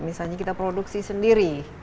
misalnya kita produksi sendiri